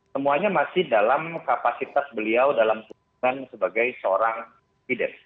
semuanya masih dalam kapasitas beliau dalam hubungan sebagai seorang biden